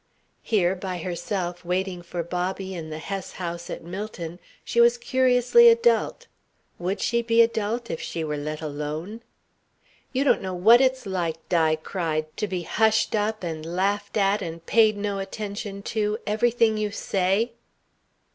Here, by herself, waiting for Bobby, in the Hess House at Millton, she was curiously adult. Would she be adult if she were let alone? "You don't know what it's like," Di cried, "to be hushed up and laughed at and paid no attention to, everything you say."